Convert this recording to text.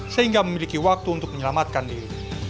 sehingga memiliki waktu untuk menyelamatkan diri